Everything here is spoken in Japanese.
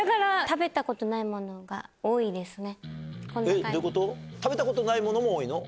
食べたことないものも多いの？